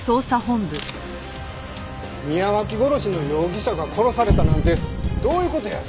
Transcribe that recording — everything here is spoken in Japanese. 宮脇殺しの容疑者が殺されたなんてどういう事や。